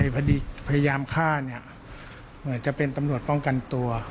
พยายามฆ่าเนี่ยเหมือนจะเป็นตำรวจป้องกันตัว